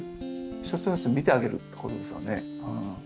一つ一つを見てあげるってことですよね。